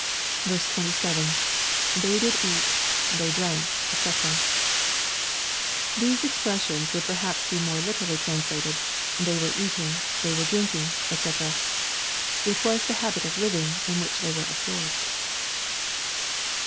27. — [They did eat^ ihey drankj dbc] These expressions would per haps be more literally translated, '* They were eating, they were drinking," &c. It was the habit of living, in which they were absorbed.